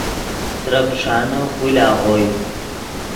ترے پیݰانے خول آغوئے